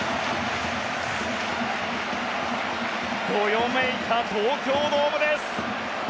どよめいた東京ドームです。